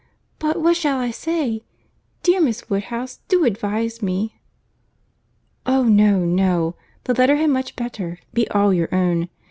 But what shall I say? Dear Miss Woodhouse, do advise me." "Oh no, no! the letter had much better be all your own.